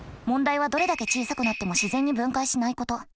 問題はどれだけ小さくなっても自然に分解しないこと。